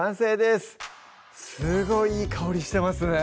すごいいい香りしてますね